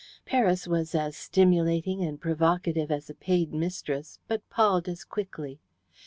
Paris was as stimulating and provocative as a paid mistress, but palled as quickly.